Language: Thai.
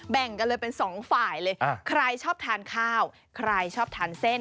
แบ่งกันเลยเป็นสองฝ่ายเลยใครชอบทานข้าวใครชอบทานเส้น